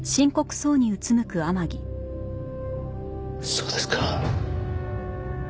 そうですか。